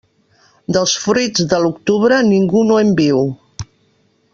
Dels fruits de l'octubre, ningú no en viu.